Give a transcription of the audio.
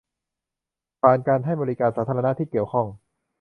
ผ่านการให้บริการสาธารณะที่เกี่ยวข้อง